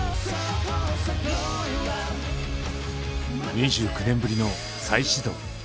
２９年ぶりの再始動。